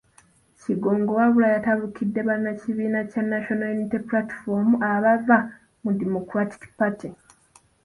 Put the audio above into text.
Kigongo wabula yatabukidde bannakibiina kya National Unity Platform abaava mu Democratic Party.